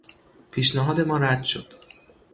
پیشنهاد ما رد شد.